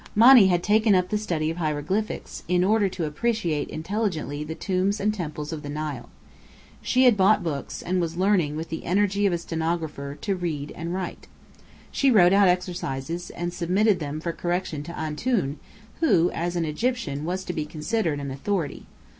Monny had taken up the study of hieroglyphics, in order to appreciate intelligently the tombs and temples of the Nile. She had bought books, and was learning with the energy of a stenographer, to write and read. She wrote out exercises, and submitted them for correction to "Antoun" who, as an Egyptian, was to be considered an authority.